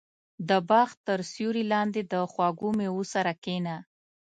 • د باغ تر سیوري لاندې د خوږو مېوو سره کښېنه.